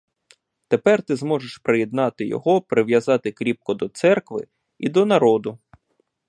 Тепер ти зможеш приєднати його, прив'язати кріпко до церкви і до народу.